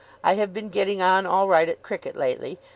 I have been getting on all right at cricket lately.